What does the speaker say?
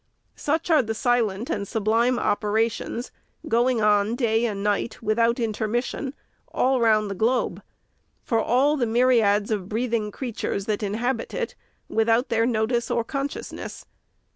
Such are the silent and sublime operations, go ing on day and night, without intermission, all round the globe, for all the myriads of breathing creatures that inhabit it, without their notice or consciousness.